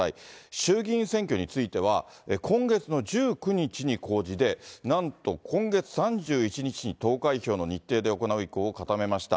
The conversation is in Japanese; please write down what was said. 衆議院選挙については、今月の１９日に公示で、なんと今月３１日に投開票の日程で行う意向を固めました。